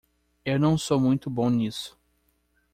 Eu não sou muito bom nisso.